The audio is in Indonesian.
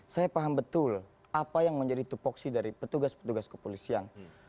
saya paham betul apa yang menjadi tupoksi dari petugas petugas kepolisian